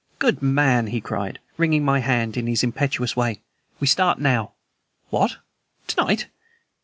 "Good man!" he cried, wringing my hand in his impetuous way. "We start now." "What, to night?"